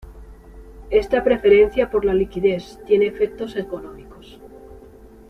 Esta preferencia por la liquidez tiene efectos económicos.